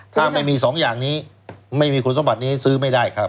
ถ้าไม่มีสองอย่างนี้ไม่มีคุณสมบัตินี้ซื้อไม่ได้ครับ